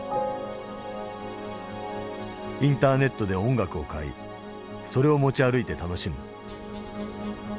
インターネットで音楽を買いそれを持ち歩いて楽しむ。